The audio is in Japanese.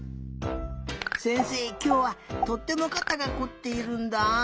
せんせいきょうはとってもかたがこっているんだ。